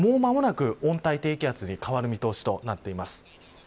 もうまもなく温帯低気圧に変わる見通しとなっています。